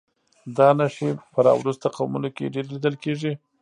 دا نښې په راوروسته قومونو کې ډېرې لیدل کېږي.